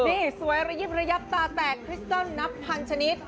นี่สวยระยิบระยับตาแตกคริสตอลนับพันชนิด